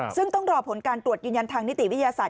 ซึ่งต้องรอผลการตรวจยืนยันทางนิติวิทยาศาสต